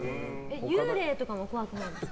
幽霊とかも怖くないですか？